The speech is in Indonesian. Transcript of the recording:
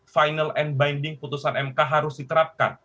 final and binding putusan mk harus diterapkan